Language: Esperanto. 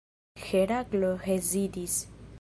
Heraklo hezitis.